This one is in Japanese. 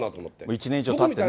１年以上たってね。